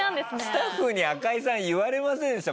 スタッフに赤井さん言われませんでした？